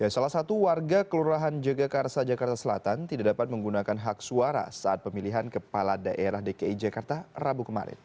salah satu warga kelurahan jagakarsa jakarta selatan tidak dapat menggunakan hak suara saat pemilihan kepala daerah dki jakarta rabu kemarin